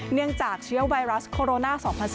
เนื่องจากเชื้อไวรัสโคโรนา๒๐๑๙